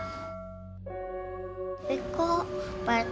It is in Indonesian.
tapi kok pak rt sama pak rt